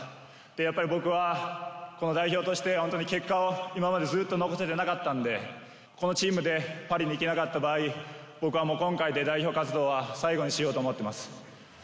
やっぱり僕はこの代表として、本当に結果を今までずーっと残せてなかったんで、このチームでパリに行けなかった場合、僕はもう今回で代表活動は最後にしようと思ってます。